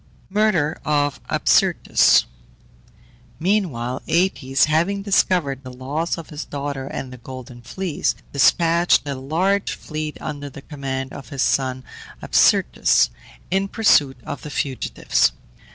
MURDER OF ABSYRTUS. Meanwhile Aëtes, having discovered the loss of his daughter and the Golden Fleece, despatched a large fleet, under the command of his son Absyrtus, in pursuit of the fugitives.